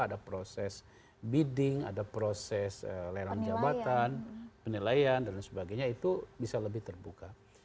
ada proses bidding ada proses layanan jabatan penilaian dan sebagainya itu bisa lebih terbuka